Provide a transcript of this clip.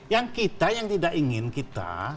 yang kita yang tidak ingin kita